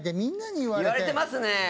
言われてますね。